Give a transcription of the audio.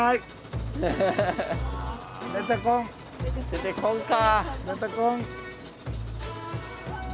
出てこんか。